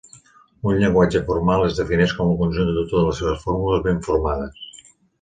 Un llenguatge formal es defineix com el conjunt de totes les seves fórmules ben formades.